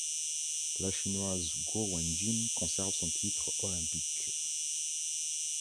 La Chinoise Guo Wenjun conserve son titre olympique.